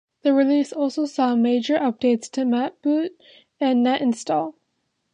The release also saw major updates to NetBoot and NetInstall.